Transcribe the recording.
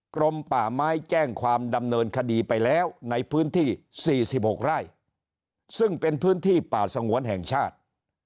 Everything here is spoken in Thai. กรมป่าไม้แจ้งความดำเนินคดีไปแล้วในพื้นที่๔๖ไร่ซึ่งเป็นพื้นที่ป่าสงวนแห่งชาติ